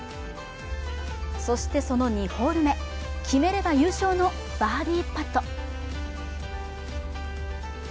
そしてその２ホール目、決めれば優勝のバーディーパット。